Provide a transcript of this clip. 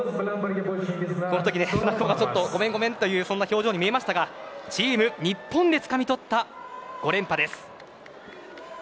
このとき舟久保がごめんごめんという表情に見えましたがチーム日本がつかみ取った５連覇です。